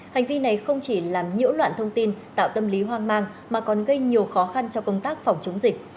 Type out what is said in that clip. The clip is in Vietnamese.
hành vi này không chỉ làm nhiễu loạn thông tin tạo tâm lý hoang mang mà còn gây nhiều khó khăn cho công tác phòng chống dịch